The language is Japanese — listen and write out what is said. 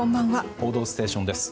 「報道ステーション」です。